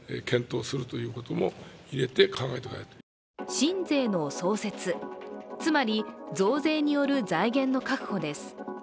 新税の創設、つまり増税による財源の確保です。